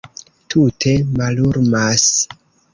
Tute mallumas.